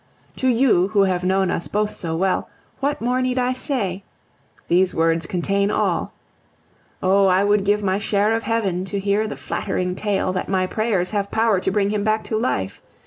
To you, who have known us both so well, what more need I say? These words contain all. Oh! I would give my share of Heaven to hear the flattering tale that my prayers have power to bring him back to life!